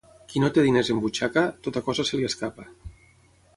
Qui no té diners en butxaca, tota cosa se li escapa.